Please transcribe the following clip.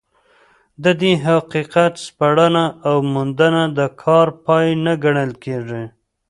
د دې حقیقت سپړنه او موندنه د کار پای نه ګڼل کېږي.